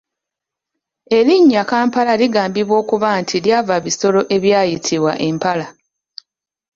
Erinnya Kampala ligambibwa okuba nti lyava bisolo ebwayitibwanga empala.